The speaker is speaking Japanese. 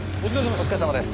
お疲れさまです。